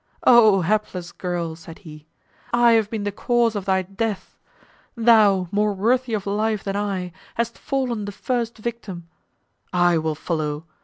"O hapless girl," said he, "I have been the cause of thy death! Thou, more worthy of life than I, hast fallen the first victim. I will follow.